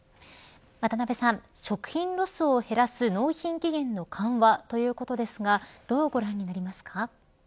渡辺さん、食品ロスを減らす納品期限の緩和ということですがどうご覧になりますか。